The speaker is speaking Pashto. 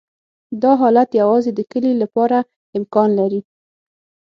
دا حالت یوازې د کلې لپاره امکان لري